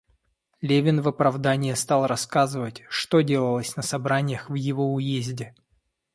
Левин в оправдание стал рассказывать, что делалось на собраниях в его уезде.